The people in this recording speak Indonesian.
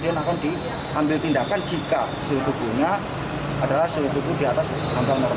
sehingga akan bisa mendeteksi suhu tubuh bagi masyarakat yang ingin membuat sim atau membuat skck sehingga mengetahui suhu tubuh yang ada di ruang pelayanan